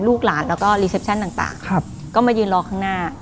ลูกหลานแล้วก็รีเซปชั่นต่างก็มายืนรอข้างหน้า